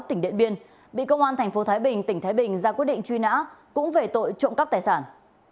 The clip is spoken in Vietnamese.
tỉnh điện biên bị công an tp thái bình tỉnh thái bình ra quyết định truy nã cũng về tội trộm cắp tài sản